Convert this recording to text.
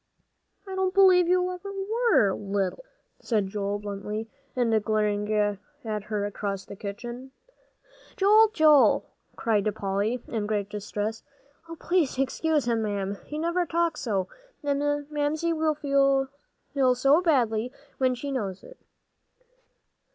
"I don't believe you ever were little," said Joel, bluntly, and glaring at her across the kitchen. "Joel, Joel!" cried Polly, in great distress. "Oh, please excuse him, Ma'am, he never talks so, and Mamsie will feel so very badly, when she knows it."